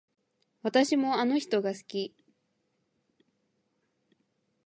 私もあの人が好き